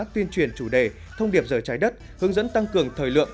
tuyên truyền chủ đề thông điệp giờ trái đất hướng dẫn tăng cường thời lượng